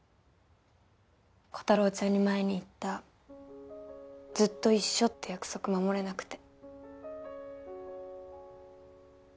コタローちゃんに前に言った「ずっと一緒」って約束守れなくて。